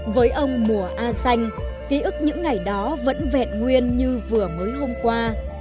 với ông mùa a xanh ký ức những ngày đó vẫn vẹn nguyên như vừa mới hôm qua